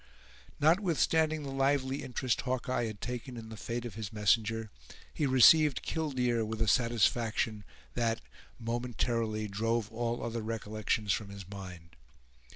Notwithstanding the lively interest Hawkeye had taken in the fate of his messenger, he received "killdeer" with a satisfaction that, momentarily, drove all other recollections from his mind.